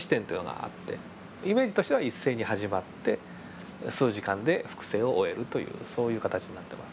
イメージとしては一斉に始まって数時間で複製を終えるというそういう形になってます。